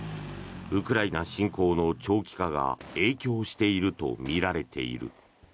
ウクライナ侵攻の長期化が影響しているとみられている。